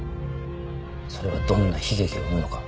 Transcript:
それがどんな悲劇を生むのか。